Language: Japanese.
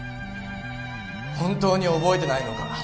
本当に覚えてないのか。